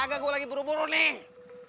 agak gue lagi buru buru nih